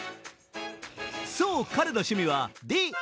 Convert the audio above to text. そう、彼の趣味はＤＩＹ。